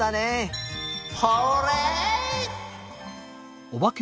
ホーレイ！